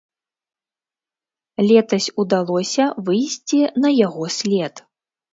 Летась удалося выйсці на яго след.